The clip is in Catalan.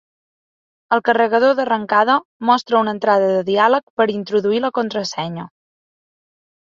El carregador d'arrencada mostra una entrada de diàleg per introduir la contrasenya.